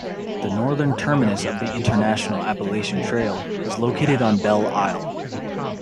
The northern terminus of the International Appalachian Trail is located on Belle Isle.